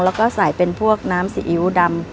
แล้วก็ใส่เป็นพวกน้ำซีอิ๊วดำ